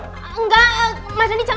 enggak mas rendy jangan